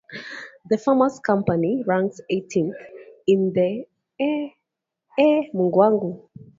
The Farmers' Company ranks eightieth in the order of precedence for Livery Companies.